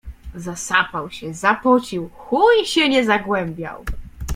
Zasapał się, zapocił, chuj się nie zagłębiał